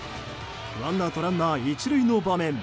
ワンアウトランナー１塁の場面。